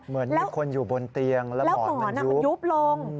เหมือนมีคนอยู่บนเตียงแล้วหมอนมันยุบลง